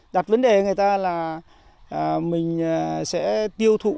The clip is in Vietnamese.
đặt vấn đề người ta là mình sẽ tiêu thụ